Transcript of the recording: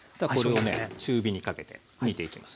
中火にかけて煮ていきますね。